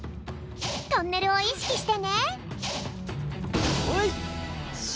トンネルをいしきしてね。